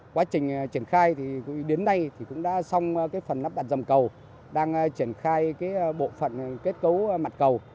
quá trình triển khai đến nay cũng đã xong phần lắp đặt dòng cầu đang triển khai bộ phận kết cấu mặt cầu